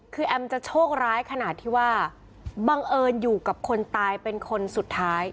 คือแอมจะโชคร้ายขนาดที่ว่าบังเอิญอยู่กับคนตายเป็นคนสุดท้าย